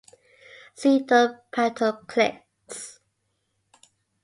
See domed palatal clicks.